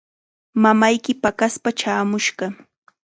Mamayki paqaspa chaamushqa.